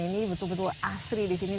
ini betul betul asri disini